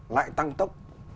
lại tăng tốc